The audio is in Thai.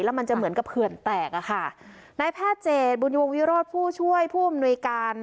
แล้วมันจะเหมือนกับเขื่อนแตกอะค่ะนายแพทย์เจตบุญวงวิโรธผู้ช่วยผู้อำนวยการ